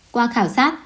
qua khảo sát